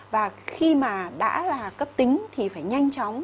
và khi mà đã là cấp tính thì phải nhanh chóng